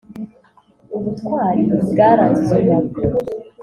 ubutwari bwaranze izo ngabo